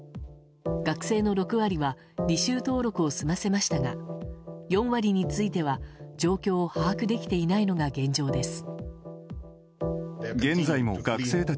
学生の６割は履修登録を済ませましたが４割については状況を把握できていないのが現状です。